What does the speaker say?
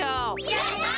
やった！